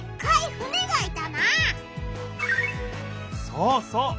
そうそう！